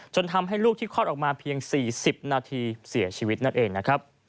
ทำให้ลูกที่คลอดออกมาเพียง๔๐นาทีเสียชีวิตนั่นเองนะครับ